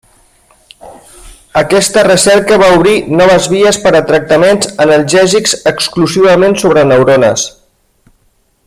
Aquesta recerca va obrir noves vies per a tractaments analgèsics exclusivament sobre neurones.